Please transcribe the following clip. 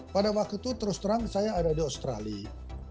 pada waktu itu terus terang saya ada di australia